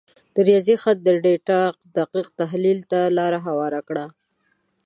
د ریاضي خط د ډیټا دقیق تحلیل ته لار هواره کړه.